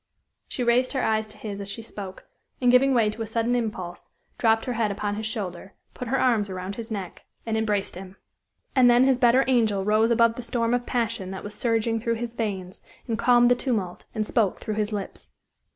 She raised her eyes to his as she spoke, and giving way to a sudden impulse, dropped her head upon his shoulder, put her arms around his neck, and embraced him. And then his better angel rose above the storm of passion that was surging through his veins, and calmed the tumult, and spoke through his lips.